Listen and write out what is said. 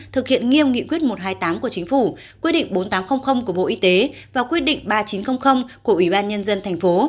thực hiện nghiêm nghị quyết một trăm hai mươi tám của chính phủ quyết định bốn nghìn tám trăm linh của bộ y tế và quyết định ba nghìn chín trăm linh của ủy ban nhân dân thành phố